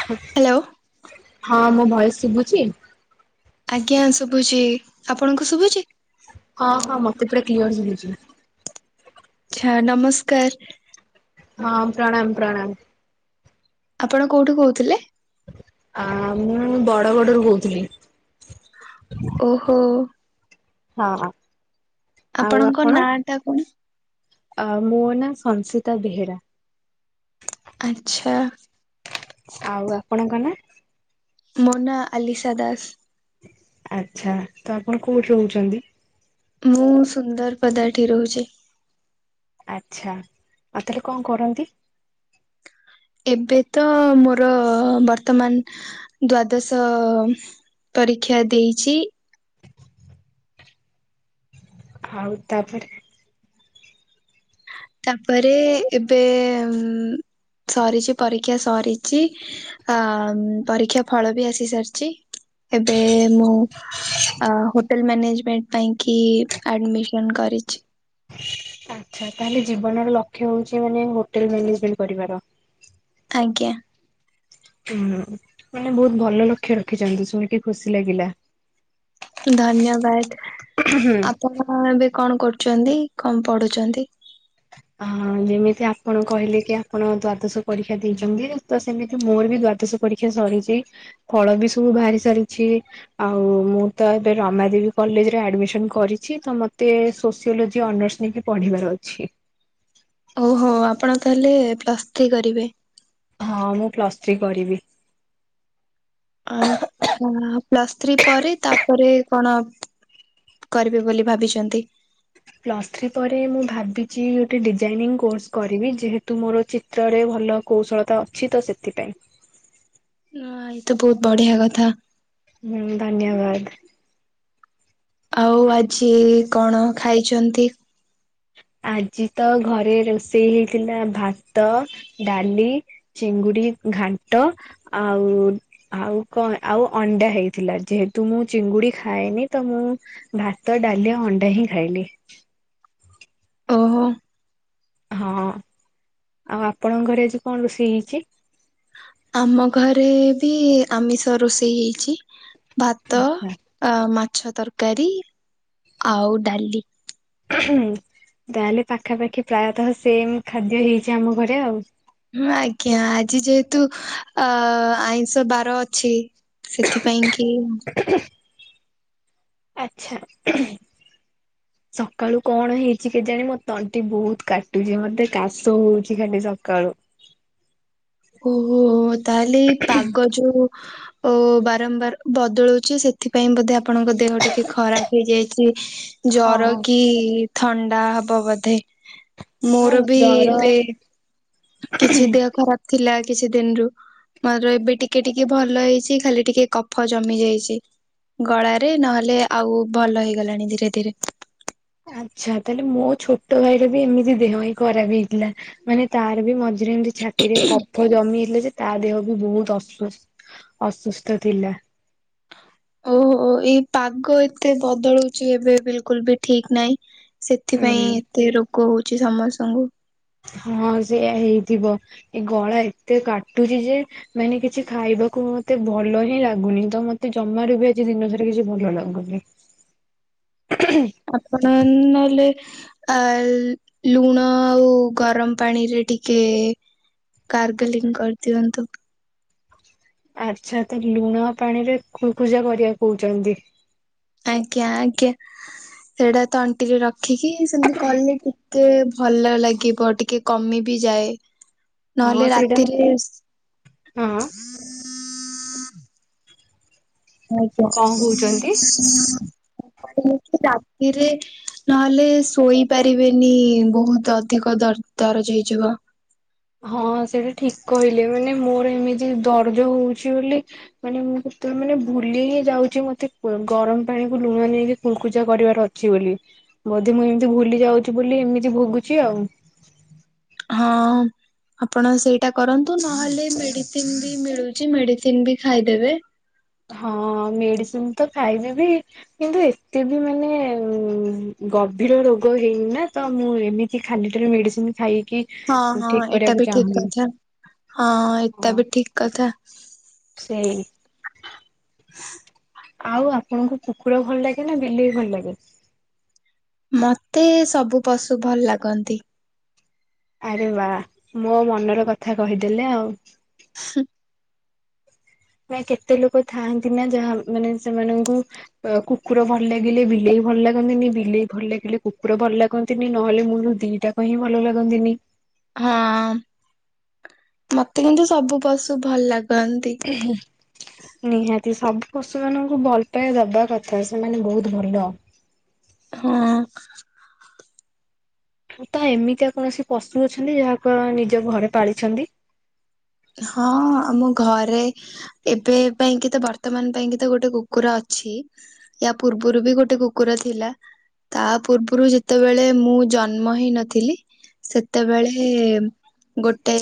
[unintelligible] Hello. ହଁ ମୋ ଭୟସ ଶିଭୁଛି? ଆଜ୍ଞା ଶୁଭୁଚି। ଆପଣଙ୍କୁ ଶୁଭୁଛି? ହଁ ହଁ ମତେ ପୁରା କ୍ଲିୟର ଶୁବୁଚି। ଛା ନମସ୍କାର। ହଁ ପ୍ରଣାମ ପ୍ରଣାମ। ଆପଣ କୋଉଠୁ କହୁଥିଲେ? ଆ ମୁଁ ବଡଗଡରୁ କହୁଥିଲି। ଓହୋ। ହଁ। ଆପଣଙ୍କ ନାଁ ଟା କଣ? ଆ ମୋ ନାଁ ସଂସିତା ବେହେରା। ଆଚ୍ଛା। ଆଉ ଆପଣଙ୍କ ନା? ମୋ ନା ଆଲିସା ଦାସ। ଆଛା। ତ ଆପଣ କୋଉଠି ରହୁଚନ୍ତି? ମୁଁ ସୁନ୍ଦରପଦା ଠି ରହୁଚି। ଆଛା ଆଉ ତାହେଲେ କଣ କରନ୍ତି? ଏବେ ତ ମୋର ବର୍ତ୍ତମାନ ଦ୍ଵାଦଶ ପରୀକ୍ଷା ଦେଇଛି। ଆଉ ତାପରେ ତାପରେ ଏବେ ସରିଚି ପରୀକ୍ଷା ସରିଚି। ଅ ପରୀକ୍ଷା ଫଳ ବି ଆସି ସାରିଚି। ଏବେ ମୁଁ ହୋଟେଲ ମ୍ୟାନେଜମେଣ୍ଟ ପାଇଁ କି ଆଡମିସନ କରିଚି। ଆଚ୍ଛା, ତାହଲେ ଜୀବନର ଲକ୍ଷ୍ୟ ହଉଛି ମାନେ ହୋଟେଲ ମାନେଜମେଣ୍ଟ କରିବାର। ଆଜ୍ଞା। ହୁଁ, ମାନେ ବହୁତ ଭଲ ଲକ୍ଷ୍ୟ ରଖିଛନ୍ତି ଶୁଣିକି ଖୁସି ଲାଗିଲା। ଧନ୍ୟବାଦ। ହୁଁ ଆପଣ ଏବେ କଣ କରୁଚନ୍ତି କଣ ପଢୁଚନ୍ତି? ଅ ଯେମିତି ଆପଣ କହିଲେ କି, ଆପଣ ଦ୍ଵାଦଶ ପରୀକ୍ଷା ଦେଇଚନ୍ତି ତ ସେମିତି ମୋର ବି ଦ୍ଵାଦଶ ପରୀକ୍ଷା ସରିଚି ଫଳ ବି ସବୁ ବାହାରି ସାରିଛି। ଆଉ ମୁଁ ତ ଏବେ ରମା ଦେବୀ କଲେଜରେ ଆଡମିସନ କରିଛି ତ ମତେ ସୋସିଓଲୋଜି ଅନର୍ସ ନେଇକି ପଢିବାର ଅଛି। ଓହୋ ଆପଣ ତାହେଲେ ପ୍ଲସ୍ ଥ୍ରୀ କରିବେ। ହଁ, ମୁଁ ପ୍ଲସ୍ ଥ୍ରୀ କରିବି। ଆଛା ପ୍ଲସ୍ ଥ୍ରୀ ପରେ ତାପରେ କଣ କରିବେ ବୋଲି ଭାବିଚନ୍ତି? ପ୍ଲସ୍ ଥ୍ରୀ ପରେ ମୁଁ ଭାବିଚି ଗୋଟେ ଡିଜାଇନିଂ କୋର୍ସ କରିବି। ଯେହେତୁ ମୋର ଚି ତ୍ରରେ ଭଲ କୌଶଳତା ଅଛି ତ ସେଥିପାଇଁ। ନା ଏଇତ ବୋହୁତ ବଢିଆ କଥା। ହୁଁ ଧନ୍ୟବାଦ। ଆଉ ଆଜି କଣ ଖାଇଚନ୍ତି? ଆଜି ତ ଘରେ ରୋଷେଇ ହେଇଥିଲା ଭାତ, ଡାଲି ଚିଙ୍ଗୁଡି ଘାଣ୍ଟ ଆଉ ଆଉ କଣ ଆଉ ଅଣ୍ଡା ହେଇଥିଲା। ଯେହେତୁ ମୁଁ ଚିଙ୍ଗୁଡି ଖାଏନି ତ ମୁଁ ଭାତ, ଡାଲି, ଅଣ୍ଡା ହିଁ ଖାଇଲି। ଓହୋ ହଁ ଆଉ ଆପଣଙ୍କ ଘରେ ଆଜି କଣ ରୋଷେଇ ହେଇଛଚ? ଆମ ଘରେ ବି ଆମିଷ ରୋଷେଇ ହେଇଚି। ଭା ଆଚ୍ଛା। ଆଉ ମାଛ ତରକାରୀ ଆଉ ଡାଲି। [unintelligible] ତାହେଲେ ପାଖାପାଖି ପ୍ରାୟତଃ ସେମ ଖାଦ୍ୟ ହେଇଚି ଆମ ଘରେ ଆଉ। ହୁଁ ଆଜ୍ଞା, ଆଜି ଯେହେତୁ ଅ ଆଇଁଷ ବାର ଅଛି। ସେଥିପାଇଁ କି [unintelligible] ଆଚ୍ଛା। [unintelligible] ସକାଳୁ କଣ ହେଇଚି କେଜାଣି ମୋ ତଣ୍ଟି ବୋହୁତ କାଟୁଚି ମତେ କାଶ ହୋଉଚି ଖାଲି ସକାଳୁ। ଓହୋ ତାହେଲେ ଏଇ ପାଗ ଯୋଉ ଉ ବାରମ୍ବାର ବଦଳୁଚି ସେ ଥିପାଇଁ ବୋଧେ ଆପଣଙ୍କ ଦେହ ଟିକେ ଖରାପ ହେଇଯାଇଚି। ଜର ହଁ। କି ଥଣ୍ଡା ହବ ବୋଧେ ହଁ ମୋର ବି ଜର ଏବେ କିଛି ଦେହ ଖରାପ ଥିଲା କିଛି ଦିନରୁ। ମୋର ଏବେ ଟିକେ ଟିକେ ଭଲ ହେଇଚି ଖାଲି ଟିକେ କଫ ଜମି ଯାଇଚି। ଗଳାରେ ନହେଲେ ଆଉ ଭଲ ହେଇଗଲାଣି ଧୀରେ ଧୀରେ। ଆଚ୍ଛା ତାହେଲେ ମୋ ଛୋଟ ଭାଇର ବି ଏମିତି ଦେହ ହିଁ ଖରାପ ହେଇଥିଲା। ମାନେ ତାର ବି ମଝିରେ ଏମିତି ଛାତିରେ କଫ ଜମି ହେଇଥିଲେ ଯେ ତା ଦେହ ବି ବୋହୁତ ଅସୁ-ଅସୁସ୍ଥ ଥିଲା। ଓହୋ ଏଇ ପାଗ ଏତେ ବଦଳୁଚି ଏବେ ବିଲକୁଲ ବି ଠିକ୍ ନାହିଁ। ସେଥିପାଇଁ ଉଁ ଏତେ ରୋଗ ହୋଉଚି ସମସ୍ତଙ୍କୁ। ହଁ ସେଇୟା ହେଇଥିବ। ଏଇ ଗଳା ଏତେ କାଟୁଚି ଯେ ମାନେ କିଛି ଖାଇବାକୁ ମତେ ଭଲ ହିଁ ଲାଗୁନି। ତ ମତେ ଜମାରୁ ବି ଆଜି ଦିନ ସାରା କିଛି ଭଲ ଲାଗୁନି। [unintelligible] [unintelligible] ଆପଣ ନହେଲେ ଆ ଲୁଣ ଆଉ ଗରମ ପାଣିରେ ଟିକେ ଗାର୍ଗେଲିଂ କରିଦିଅନ୍ତୁ। ଆଚ୍ଛା ତ ଲୁଣ ପାଣିରେ କୁଳକୁଚା କରିବାକୁ କୋହୁଚନ୍ତି। ଆଜ୍ଞା ଆଜ୍ଞା ସେଇଟା ତଣ୍ଟିରେ ରଖିକି ସେମିତି କଲେ ଟିକେ ଭଲ ଲାଗିବ ଟିକେ କମି ବିି ଯାଏ। ନହେଲେ ହଁ ସେଇଟା ହଁ ରାତିରେ କଣ ଆଜ୍ଞା କହୁଛନ୍ତି? ମୁଁ କହିଲି କି ରାତିରେ ନହେଲେ ଶୋଇ ପାରିବେନି ବହୁତ ଅଧିକ ଦର-ଦରଜ ହେଇଯିବ। ହଁ ସେଇଟା ଠିକ୍ କହିଲେ ମାନେ ମୋର ଏମିତି ଦର୍ଜ ହୋଉଚି ବୋଲି ମାନେ ମୁଁ କେତେବେଳେ ମାନେ ଭୁଲିି ହିଁ ଯାଉଚି ମତେ ଗରମ ପାଣିକୁ ଲୁଣ ନେଇକି କୁଳକୁଜା କରିବାର ଅ ଛି ବୋଲି ବୋଧେ ମୁଁ ଏମିତି ଭୁଲି ଯାଉଚି ବୋଲି ଏମିତି ଭୋଗୁଚି ଆଉ। ହଁ। ଆପଣ ସେଇଟା କରନ୍ତୁ ନହେଲେ ମେଡିସିନ ବି ମିଳୁଚି ମେଡିସିନ ବି ଖାଇଦେବେ। ହଁ ମେଡିସିନ ତ ଖାଇନେବି। କିନ୍ତୁ ଏତେ ବି ମାନେ ଉ ଗଭୀର ରୋଗ ହେଇନିନା ତ ମୁଁ ଏମିତି କି ଖାଲି ଟାରେ ମେଡିସିନ ଖାଇକି ହଁ ହଁ ଠିକ ଏଟା କରିବାକୁ ବି ଠିକ୍ ଚାହୁଁନି। କଥା, ହଁ ଏଟା ବି ଠିକ କଥା। ସେ। ଆଉ ଆପଣଙ୍କୁ କୁକୁର ଭଲ ଲାଗେ ନା ବିଲେଇ ଭଲ ଲାଗେ? ମତେ ସବୁ ପଶୁ ଭଲ ଲାଗନ୍ତି। ଆରେ ବା ମୋ ମନର କଥା କହିଦେଲେ ଆଉ ମ କେତେ ଲୋକ ଥାଆନ୍ତି ନା ଯାହା ମାନେ ସେମାନଙ୍କୁ କୁକୁର ଭଲ ଲାଗିଲେ ବିଲେଇ ଭଲ ଲାଗନ୍ତିନି ବିଲେଇ ଭଲ ଲାଗିଲେ କୁକୁର ଭଲ ଲାଗ ନ୍ତିନି ନହେଲେ ମୂଳରୁ ଦିଟା କ ହିଁ ଭଲ ଲାଗନ୍ତିନି। ହଁ, ମତେ କିନ୍ତୁ ସବୁ ପଶୁ ଭଲ ଲାଗନ୍ତି। ହଁ। ନିହାତି ସବୁ ପଶୁ ମାନଙ୍କୁ ଭଲ ପାଇବା ଦବା କଥା ସେମାନେ ବହୁତ ଭଲ। ହଁ। ତ ଏମିତିଆ କୌଣସି ପଶୁ ଅଛନ୍ତି ଯାହା କୁ ନିଜ ଘରେ ପାଳିଛନ୍ତି? ହଁ ଆମ ଘରେ ଏବେ ପାଇଁ କିି ତ ବର୍ତ୍ତମାନ ପାଇଁ କି ତ ଗୋଟେ କୁକୁର ଅଛି। ୟା ପୂର୍ବରୁ ବି ଗୋଟେ କୁକୁର ଥିଲା। ତା ପୂର୍ବରୁ ଯେତେବେଳେ ମୁଁ ଜନ୍ମ ହେଇ ନଥିଲି ସେତେବେଳେ ଗୋଟେ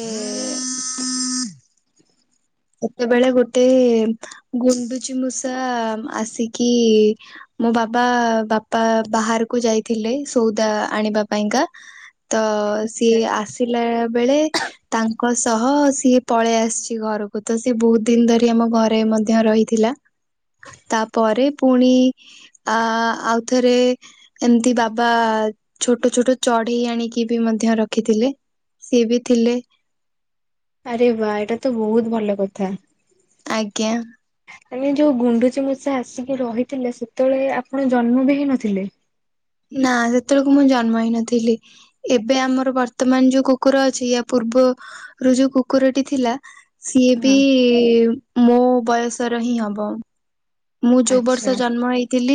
ସେତେବେଳେ ଗୋଟେ ଗୁଣ୍ଡୁଚି ମୂଷା ଆସିକି ମୋ ବାବା ବାପା ବାହାରକୁ ଯାଇଥିଲେ ସଉଦା ଆଣିବା ପାଇଁକା ତ ଆଚ୍ଛା। ସିଏ ଆସ ପିଲା ବେଳେ ତାଙ୍କ ସହ ସିଏ ପଳେଇ ଆସିଛି ଘରକୁ। ତ ସେ ବହୁତ ଦିନ ଧରି ଆମ ଘରେ ମଧ୍ୟ ରହିଥିଲା। ତାପରେ ପୁଣି ଆ ଆଉଥରେ ଏମତି ବାବା ଛୋଟ ଛୋଟ ଚଢେଇ ଆଣିକି ବି ମଧ୍ୟ ରଖିଥିଲେ। ସିଏ ବି ଥିଲେ। ଆରେ ବା ଏଇଟା ତ ବହୁତ ଭଲ କଥା। ଆଜ୍ଞା। ମାନେ ଯୋଉ ଗୁଣ୍ଡୁଚି ମୂଷା ଆସିକି ରହିଥିଲେ ସେତେବେଳେ ଆପଣ ଜନ୍ମ ବି ହେଇ ନଥିଲେ? ନା ସେତେବେଳକୁ ମୁଁ ଜନ୍ମ ହେଇ ନଥିଲି। ଏବେ ଆମର ବର୍ତ୍ତମାନ ଯୋଉ କୁକୁର ଅଛି ୟା ପୂର୍ବରୁୁ ଯୋଉ କୁକୁର ଟି ଥିଲା। ସିଏ ବି ହଁ। ମୋ ବୟସର ହିଁ ହବ। ମୁଁ ଯୋଉ ବର୍ଷ ଆଚ୍ଛା ଜନ୍ମ ହେଇଥିଲି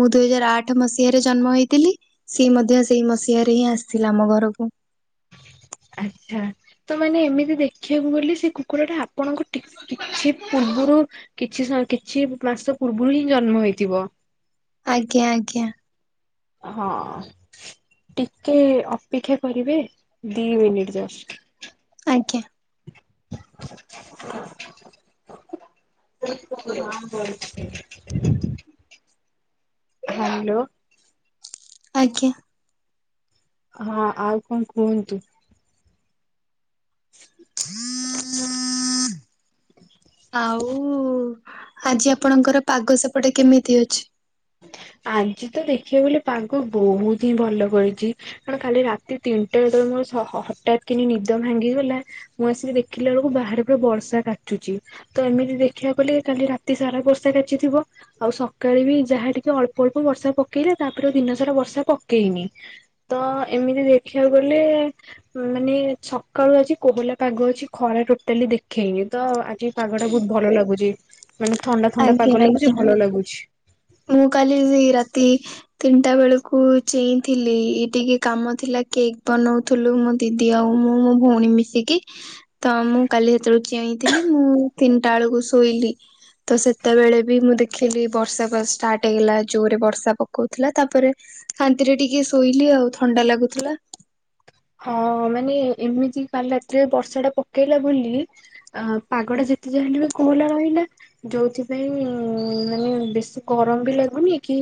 ମୁଁ ଦୁଇ ହଜାର ଆଠ ମସିହାରେ ଜନ୍ମ ହେଇଥିଲି। ସିଏ ମଧ୍ୟ ସେଇ ମସିହାରେ ହିଁ ଆସିଥିଲା ଆମ ଘରକୁ ଆଚ୍ଛା। ତ ମାନେ ଏମିତି ଦେଖିବାକୁ ଗଲେ ସେ କୁକୁର ଟା ଆପଣଙ୍କୁ ଟି କିଛି ପୂର୍ବରୁ କିଛି ସ କିଛି ମାସ ପୂର୍ବରୁ ହିଁ ଜନ୍ମ ହେଇଥିବ। ଆଜ୍ଞା ଆଜ୍ଞା। ହଁ। ଟିକେ ଅପେକ୍ଷା କରିବେ ଦି ମିନିଟ ଜଷ୍ଟ। ଆଜ୍ଞା। [inaudible] ହ୍ୟାଲୋ। ଆଜ୍ଞା। ହଁ ଆଉ କଣ କୁହନ୍ତୁ? [inaudible] ଆଉ ଆଜି ଆପଣଙ୍କର ପାଗ ସେପଟେ କେମିତି ଅଛି? ଆଜି ତ ଦେଖିବାକୁ ଗଲେ ପାଗ ବହୁତି ହିଁ ଭଲ କରିଚି। କଣ କାଲି ରାତି ତିନିଟା ବେଳେ ମୋରସ ହ ହ ହଠାତ୍ କିି ନିଦ ଭାଙ୍ଗିଗଲା ମୁଁ ଆସିକି ଦେଖିଲା ବେଳକୁ ବାହାରେ ପୁରା ବର୍ଷା କାଚୁଚି। ତ ଏମିତି ଦେଖିବାକୁ କଲେ କାଲି ରାତି ସାରା ବର୍ଷା କାଚିଥିବ ଆଉ ସକାଳେ ବି ଯାହା ଟିକେ ଅଳ୍ପ ଅଳ୍ପ ବର୍ଷା ପକେଇଲେ ତାପରେ ଦିନସାରା ବର୍ଷା ପକେଇନି। ତ ଏମିତି ଦେଖିଆକୁ ଗଲେ। ମାନେ ସକାଳୁ ଆଜି କୋହଲା ପାଗ ଅଛି ଖରା ଟୋଟାଲି ଦେଖେଇନି ତ ଆ କି ପାଗ ଟା ବହୁତ ଭଲ ଲାଗୁଚି ମାନେ ଥଣ୍ଡା ଥଣ୍ଡା ଆଜ୍ଞା ପାଗ ଆଜ୍ଞା। ଲାଗୁଚି ଭଲ ଲାଗୁଚି। ମୁଁ କାଲିିରି ରାତି ତିନିଟା ବେଳକୁ ଚେଇଁଥିଲି ଇ ଟିକେ କାମ ଥିଲା କେକ୍ ବନଉ ଥୁଲୁ ମୋ ଦିଦି ଆଉ ମୁଁ ମୋ ଭଉଣୀ ମିଶିକି। ତ ମୁଁ କାଲି ସେତଅଳୁ ଚେଇଁଥିଲି ମୁଁ ତିନିଟା ଏଳକୁ ଶୋଇଲି। ତ ସେତେବେଳେ ବି ମୁଁ ଦେଖିଲି ବର୍ଷା ବା ଷ୍ଟାର୍ଟ ହେଇଗଲା ଜୋରରେ ବର୍ଷା ପକଉଥିଲା ତାପରେ ଶାନ୍ତିରେ ଟିକେ ଶୋଇଲି ଆଉ ଥଣ୍ଡା ଲାଗୁଥିଲା। ହଁ ମାନେ ଏମିତି କାଲି ରାତିରେ ବର୍ଷା ଟା ପକେଇଲା ବୋଲି ଅ ପାଗଡା ଯେତେ ଯାହା ହେଲେ ବି କୋହଲା ରହିଲା। ଯୋଉଥିପାଇଁ ଉଁ ମାନେ ବେଶୀ ଗରମ ବି ଲାଗୁନି କି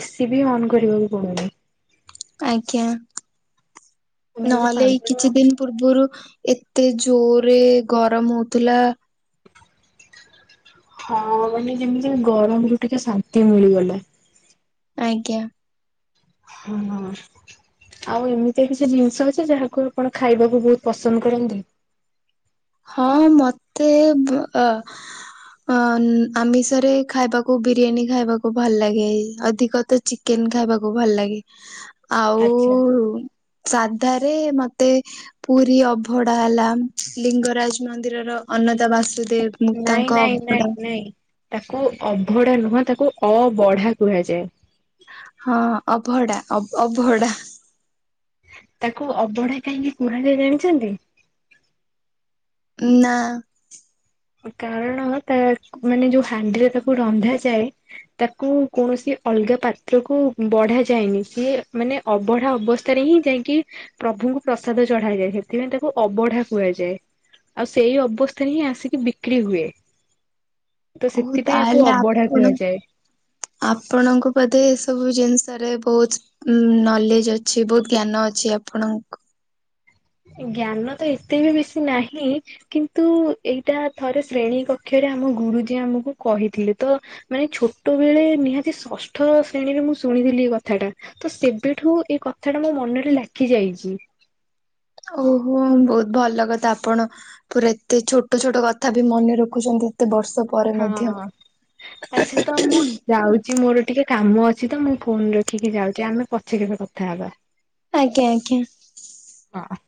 ଏସିି ବି ଅନ୍ କରିବାକୁ ପଡୁନି। ଆଜ୍ଞା ମାନେ ଏମିତି ନହେଲେ ଏ ପାଗଟା କିଛି ଦିନ ପୂର ପୁରୁ ଏତେ ଜୋରରେ ଗରମ ହଉଥିଲା। ହଁ ମାନେ ଯେମିତି ଗରମ ରୁ ଟିକେ ଶାନ୍ତି ମିଳିଗଲା। ଆଜ୍ଞା। ହଁ ହଁ। ଆଉ ଏମିତିଆ କିଛି ଜିନିଷ ଅଛି ଯାହାକୁ ଆପଣ ଖାଇବାକୁ ବହୁତ ପସନ୍ଦ କରନ୍ତି? ହଁ ମତେ ବ ଅ ଅ ଆମିଷରେ ଖାଇବାକୁ ବିରିୟାନୀ ଖାଇବାକୁ ଭଲ ଲାଗେ ଅଧିକ ତ ଚି କେନ ଖାଇବାକୁ ଭଲ ଲାଗେ ଆଉ ଆଚ୍ଛା। ସାଧା ରେ ମତେ ପୁରୀ ଅଭଡା ହେଲା। ଲିଙ୍ଗରାଜ ମନ୍ଦିରର ଅନନ୍ତା ବାସୁଦେବ। ନାଇଁ ତାଙ୍କ ନାଇଁ ନାଇଁ ଅଭଡା ନାଇଁ ତାକୁ ଅଭଡା ନୁହଁ ତାକୁ ଅବଢା କୁହାଯାଏ। ହଁ ଅଭଡା ଅବହଡା। ତାକୁ ଅବଢା କାହିଁକି କୁହାଯାଏ ଜାଣିଛନ୍ତି? ଉ ନା। କାରଣର ତା ମାନେ ଯୋଉ ହାଣ୍ଡିରେ ତାକୁ ରନ୍ଧାଯାଏ ତାକୁ କୌଣସି ଅଲଗା ପାତ୍ରକୁ ବଢ଼ା ଯାଏନି ସିଏ ମାନେ ଅବଢା ଅବସ୍ଥାରେ ହିଁ ଯାଇକି ପ୍ରଭୁଙ୍କୁ ପ୍ରସାଦ ଚଢା ଯାଏ ସେଥିପାଇଁ ତାକୁ ଅବଢା କୁହାଯାଏ। ଆଉ ସେଇ ଅବସ୍ଥାରେ ହିଁ ଆସିକି ବିକ୍ରି ହୁଏ। ତ ଓ ସେଥିପାଇଁ ଏହାକୁ ତାହେଲେ ଅବଢା ଆପଣ କୁଆଯାଏ। ଆପଣଙ୍କୁ ବୋଧେ ଏସବୁ ଜିନିଷରେ ବହୁତ ଉ ନଲେଜ ଅଛି ବହୁତ ଜ୍ଞାନ ଅଛି ଆପଣଙ୍କୁ ଜ୍ଞାନ ତ ଏତେ ବି ବେଶୀ ନାହିଁ କିନ୍ତୁ ଏଇଟା ଥରେ ଶ୍ରେଣୀ କକ୍ଷରେ ଆମ ଗୁରୁଜି ଆମକୁ କହିଥିଲେ ତ ମାନେ ଛୋଟବେଳେ ନିହାତି ଷଷ୍ଠ ଶ୍ରେଣୀରେ ମୁଁ ଶୁଣିଥିଲି ଏ କଥା ଟା ତ ସେବେଠୁ ଏଇ କଥା ଟା ମୋ ମନରେ ଲାଖି ଯାଇଛି। ଓହୋ ବହୁତ ଭଲ କଥା ଆପଣ ପୁରା ଏତେ ଛୋଟ ଛୋଟ କଥା ବି ମନେ ରଖୁଛନ୍ତି ଏତେ ବର୍ଷ ପରେ ହଁ ମଧ୍ୟ ଆଚ୍ଛା ତ ମୁଁ [unintelligible] ଯାଉଛି ମୋର ଟିକେ କାମ ଅଛି ତ ମୁଁ ଫୋନ ରଖିକି ଯାଉଛି ଆମେ ପଛେ କେବେ କଥାହବା। ଆଜ୍ଞା - ଆଜ୍ଞା। ହଁ।